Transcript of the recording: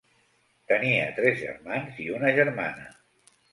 Tenia tres germans i una germana.